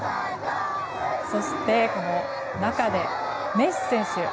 そして、この中でメッシ選手